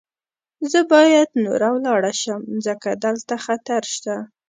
زه باید نوره ولاړه شم، ځکه دلته خطر شته.